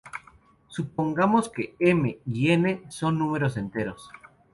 Supongamos que "m" y "n" son números enteros.